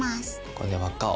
ここで輪っかを。